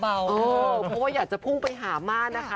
เพราะว่าอยากจะพุ่งไปหาม่านะคะ